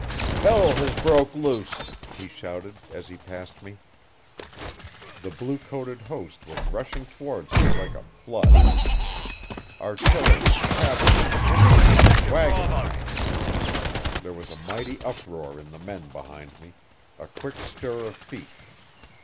'Hell has broke loose!' he shouted, as he passed me. The blue coated host was rushing towards us like a flood: artillery, cavalry, infantry, wagon train. There was a mighty uproar in the men behind me a quick stir of feet.